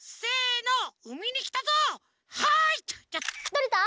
とれた？